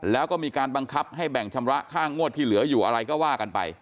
แล้วก็มีการบังคับให้แบ่งชำระค่างวดที่เหลืออยู่อะไรก็ว่ากันไป